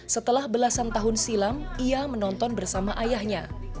setelah belasan tahun silam ia menonton bersama ayahnya